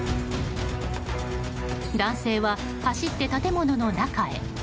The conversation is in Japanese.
男性は走って建物の中へ。